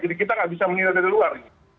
jadi kita nggak bisa meniru dari luar